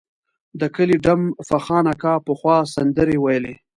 د کلي ډم فخان اکا پخوا سندرې ویلې.